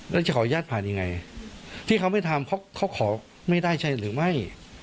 แล้วจะขออนุญาตผ่านยังไงที่เขาไม่ทำเพราะเขาขอไม่ได้ใช่หรือไม่